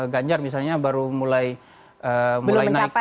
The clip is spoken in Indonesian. ganjar misalnya baru mulai naik